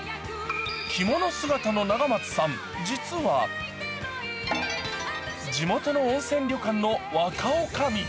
着物姿の永松さん、実は地元の温泉旅館の若おかみ。